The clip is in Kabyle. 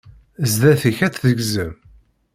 Zdat-k ad tt-tegzem.